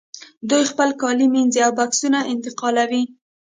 دوی خپل کالي مینځي او بکسونه انتقالوي